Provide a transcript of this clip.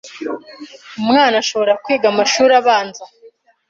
Umwana ashobora kwiga amashuri abanza,